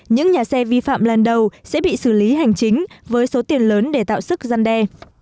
những nhà xe vi phạm lần đầu sẽ bị xử lý hành chính với số tiền lớn để tạo sức gian đe